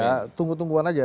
ya tunggu tungguan saja